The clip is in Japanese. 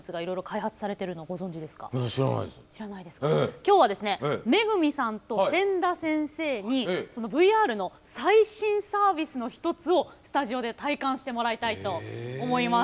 今日はですね恵さんと千田先生にそのＶＲの最新サービスの一つをスタジオで体感してもらいたいと思います。